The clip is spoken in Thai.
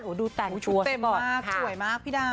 โอ้โหดูแต่งตัวซะก่อนโอ้โหชุดเต็มมากสวยมากพี่ดาว